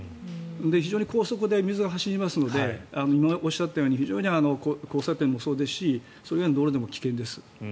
非常に高速で水が走りますので今おっしゃったように非常に、交差点もそうですしその辺の道路でも危険です。